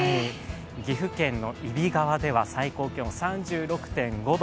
岐阜県の揖斐川では最高気温３６．５度